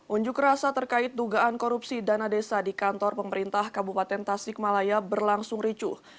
unjuk rasa terkait dugaan korupsi dana desa di kantor pemerintah kabupaten tasikmalaya berlangsung ricuh